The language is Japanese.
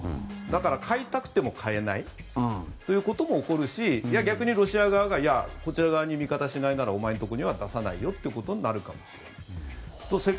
だから買いたくても買えないということも起こるし逆にロシア側がいや、こちら側に味方しないならお前のところに出さないよってことになるかもしれない。